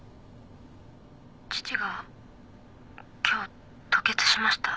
☎父が今日吐血しました。